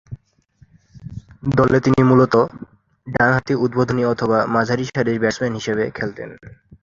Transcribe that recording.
দলে তিনি মূলতঃ ডানহাতি উদ্বোধনী অথবা মাঝারিসারির ব্যাটসম্যান হিসেবে খেলতেন।